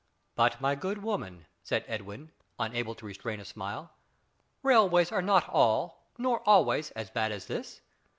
"But, my good woman," said Edwin, unable to restrain a smile, "railways are not all, nor always, as bad as this.